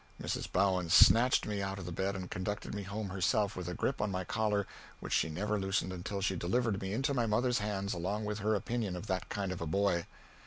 Mrs. Bowen snatched me out of the bed and conducted me home herself, with a grip on my collar which she never loosened until she delivered me into my mother's hands along with her opinion of that kind of a boy.